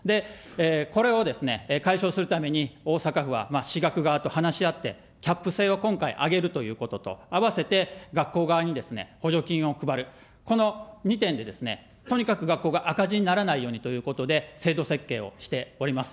これを、解消するために、大阪府は私学側と話し合って、キャップ制を今回、上げるということと、合わせて学校側に補助金を配る、この２点でですね、とにかく学校が赤字にならないようにということで、制度設計をしております。